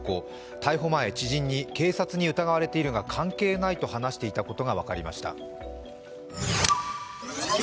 逮捕前、知人に警察に疑われているが、関係ないと話していたことが分かりました。